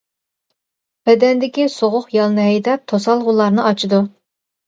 بەدەندىكى سوغۇق يەلنى ھەيدەپ، توسالغۇلارنى ئاچىدۇ.